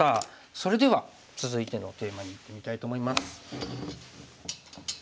それでは続いてのテーマにいってみたいと思います。